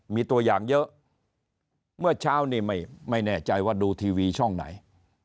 มีตัวอย่างเยอะเมื่อเช้านี้ไม่แน่ใจว่าดูทีวีช่องไหน